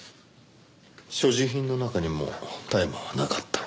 所持品の中にも大麻はなかった。